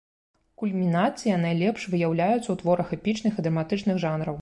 Кульмінацыя найлепш выяўляецца ў творах эпічных і драматычных жанраў.